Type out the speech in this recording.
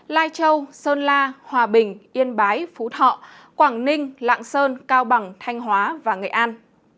lai châu sơn la hòa bình yên bái phú thọ quảng ninh lạng sơn cao bằng thanh hóa và nghệ an